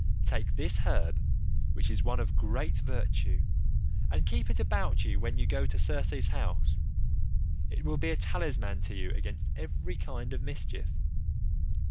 Take this herb, which is one of great virtue, and keep it about you when you go to Circe's house, it will be a talisman to you against every kind of mischief.